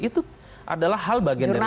itu adalah hal bagian dari